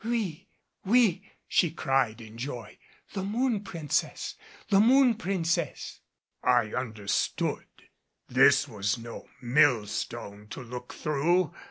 "Oui, oui," she cried in joy. "The Moon Princess! The Moon Princess!" I understood. This was no mill stone to look through.